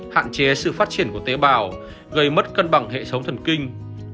hạn chế sự phát triển của tế bào gây mất cân bằng hệ thống thần kinh